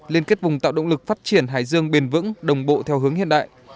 liên kết vùng tạo động lực phát triển hải dương bền vững đồng bộ theo hướng hiện đại